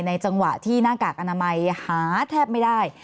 จังหวะที่หน้ากากอนามหาแทบไม่ได้